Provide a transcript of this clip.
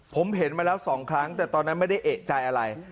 ผมเห็นมาแล้ว๒ครั้งแต่ตอนนั้นไม่ได้เอกใจอะไร